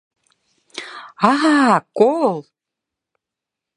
А-а-а, кол!